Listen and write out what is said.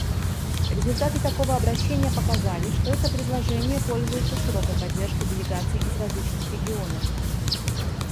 Результаты такого обращения показали, что это предложение пользуется широкой поддержкой делегаций из различных регионов.